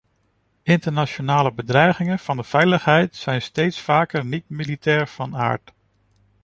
Internationale bedreigingen van de veiligheid zijn steeds vaker niet militair van aard.